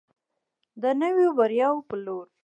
د نویو بریاوو په لور.